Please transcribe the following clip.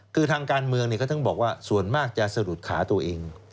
คือทางการเมืองเขาถึงบอกว่าส่วนมากจะสะดุดขาตัวเอง